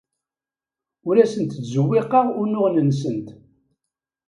Ur asent-ttzewwiqeɣ unuɣen-nsent.